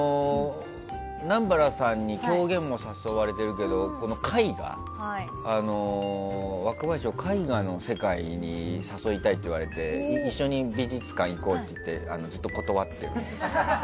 南原さんに狂言も誘われているけど若林を絵画の世界に誘いたいって言われて一緒に美術館に行こうといってずっと断っているんですが。